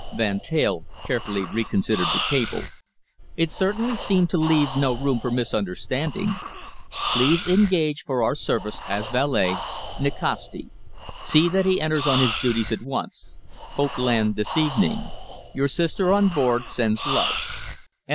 Van Teyl carefully reconsidered the cable. It certainly seemed to leave no room for misunderstanding. Please engage for our service, as valet, Nikasti. See that he enters on his duties at once. Hope land this evening. Your sister on board sends love.